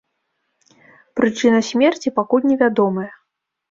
Прычына смерці пакуль невядомая.